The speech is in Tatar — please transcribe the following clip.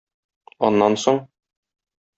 Аннан соң...